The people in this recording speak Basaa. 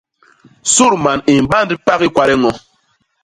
Sudman i mband pagi kwade ño.